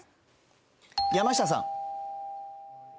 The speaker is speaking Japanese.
山下さん